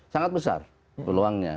sangat besar peluangnya